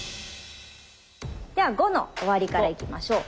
では５の終わりからいきましょう。